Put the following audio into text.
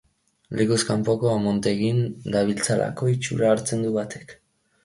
Lekuz kanpoko amontegin dabiltzalako itxura hartzen du batek.